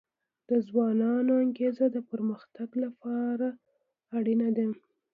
د ځوانانو انګیزه د پرمختګ لپاره اړینه ده.